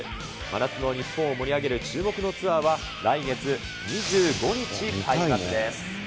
真夏の日本を盛り上げる注目のツアーは来月２５日開幕です。